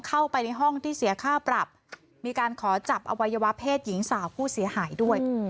เข้าไปในห้องที่เสียค่าปรับมีการขอจับอวัยวะเพศหญิงสาวผู้เสียหายด้วย